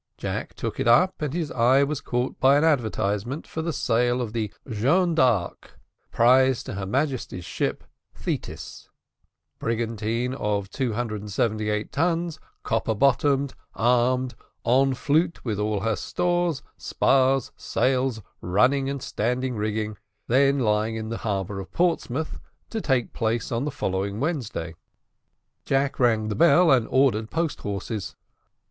Jack took it up, and his eye was caught by an advertisement for the sale of the Joan d'Arc, prize to H.M. ship Thetis, brigantine of 278 tons, copper bottomed, armed en flute, with all her stores, spars, sails, running and standing rigging, then lying in the harbour of Portsmouth, to take place on the following Wednesday. Jack rang the bell, and ordered post horses.